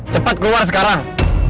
cepet keluar sekarang